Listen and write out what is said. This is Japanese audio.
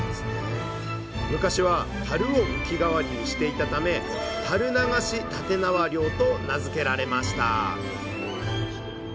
昔は樽を浮き代わりにしていたため「樽流し立縄漁」と名付けられました